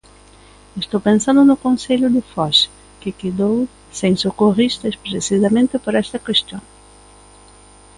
Estou pensando no concello de Foz, que quedou sen socorristas precisamente por esta cuestión.